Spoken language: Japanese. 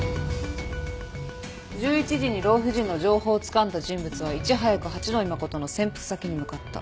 １１時に老婦人の情報をつかんだ人物はいち早く八野衣真の潜伏先に向かった。